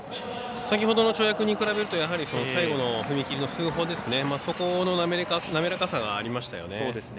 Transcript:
先ほどの跳躍に比べると最後の踏み切りの数歩そこの滑らかさがありましたよね。